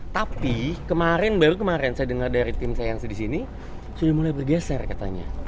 tapi kemarin baru kemarin saya dengar dari tim saya yang di sini sudah mulai bergeser katanya